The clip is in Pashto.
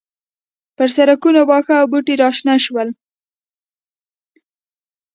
پر سړکونو واښه او بوټي راشنه شول.